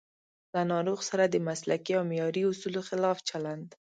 له ناروغ سره د مسلکي او معیاري اصولو خلاف چلند